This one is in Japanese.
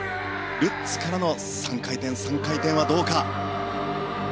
ルッツからの３回転、３回転はどうか。